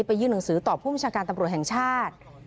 ยื่นหนังสือต่อผู้บัญชาการตำรวจแห่งชาติ